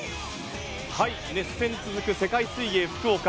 熱戦続く世界水泳福岡。